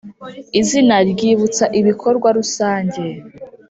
Izina ryibutsa ibikorwa rusange.